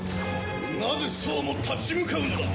なぜそうも立ち向かうのだ？